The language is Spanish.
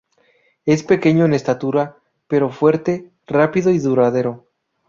Es pequeño en estatura, pero fuerte, rápido y duradero.